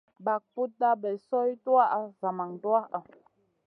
Bag putna bay soy tuwaʼa zaman duwaʼha.